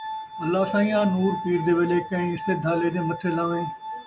اللہ سئیں آں! نُور پِیر دے ویلے کئیں سِدھ آلے دے متھے لان٘ویں